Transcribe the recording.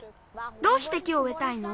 どうして木をうえたいの？